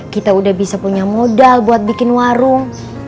kita udah bisa punya modal buat bikin warung